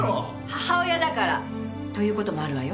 母親だからという事もあるわよ。